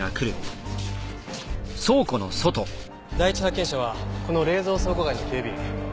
第一発見者はこの冷蔵倉庫街の警備員。